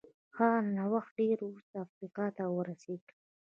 هغه نوښتونه ډېر وروسته افریقا ته ورسېدل.